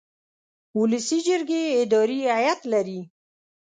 ولسي جرګې اداري هیئت لري.